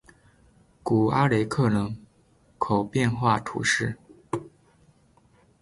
古阿雷克人口变化图示